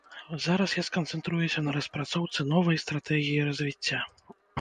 Зараз я сканцэнтруюся на распрацоўцы новай стратэгіі развіцця.